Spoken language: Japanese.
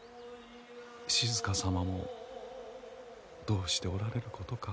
静様もどうしておられることか。